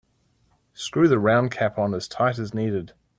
Screw the round cap on as tight as needed.